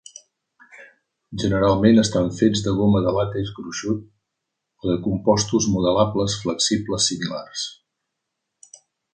Generalment estan fets de goma de làtex gruixut o de compostos modelables flexibles similars.